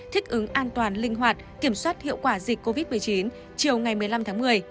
thích ứng an toàn linh hoạt kiểm soát hiệu quả dịch covid một mươi chín chiều ngày một mươi năm tháng một mươi